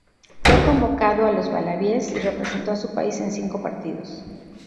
Fue convocado a los Wallabies y representó a su país en cinco partidos.